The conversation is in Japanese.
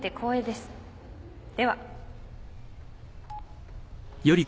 では。